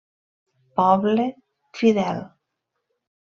Poble fidel!